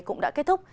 cũng đã kết thúc